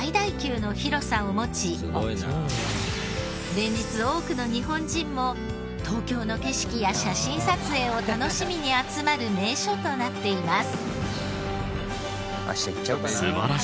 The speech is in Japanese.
連日多くの日本人も東京の景色や写真撮影を楽しみに集まる名所となっています。